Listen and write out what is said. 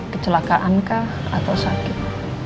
kecelakaankah atau sakit